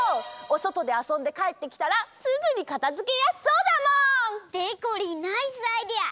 おそとであそんでかえってきたらすぐにかたづけやすそうだもん！でこりんナイスアイデア！